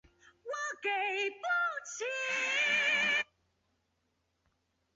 他最常用的方式是运用颤音和假声唱歌。